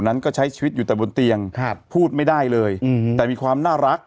นั้นก็ใช้ชีวิตอยู่แต่บนเตียงครับพูดไม่ได้เลยอืมแต่มีความน่ารัก